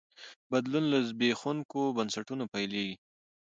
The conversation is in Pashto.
بدلون له زبېښونکو بنسټونو پیلېږي.